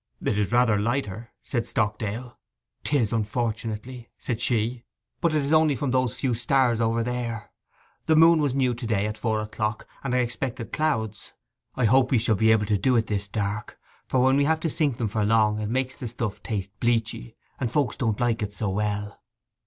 'It is rather lighter,' said Stockdale. ''Tis, unfortunately,' said she. 'But it is only from those few stars over there. The moon was new to day at four o'clock, and I expected clouds. I hope we shall be able to do it this dark, for when we have to sink 'em for long it makes the stuff taste bleachy, and folks don't like it so well.